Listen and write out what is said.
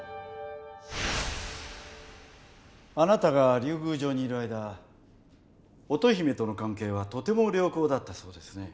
あなたが竜宮城にいる間乙姫との関係はとても良好だったそうですね？